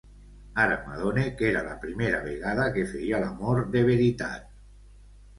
Ara m’adone que era la primera vegada que feia l’amor de veritat.